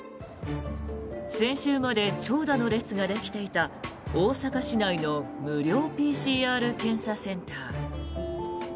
先週まで長蛇の列ができていた大阪市内の無料ＰＣＲ検査センター。